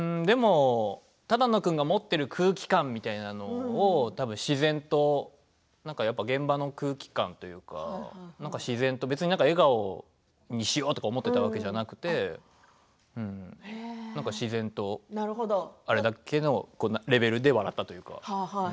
只野君が持っている空気感みたいなものを自然と現場の空気感というか自然と別に笑顔にしようと思っていたわけではなくて自然とあれだけのレベルで笑ったというか。